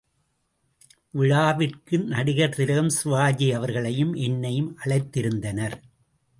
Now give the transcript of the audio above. விழாவிற்கு நடிகர் திலகம் சிவாஜி அவர்களையும் என்னையும் அழைத்திருந்தனர்.